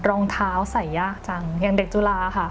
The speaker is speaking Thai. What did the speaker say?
รองเท้าใส่ยากจังอย่างเด็กจุฬาค่ะ